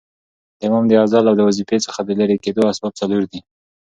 د امام د عزل او د وظیفې څخه د ليري کېدو اسباب څلور دي.